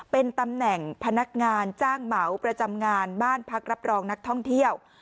เป็นตำแหน่งพนักงานจ้างเหมาประจำงานบ้านพักรับรองนักท่องเที่ยว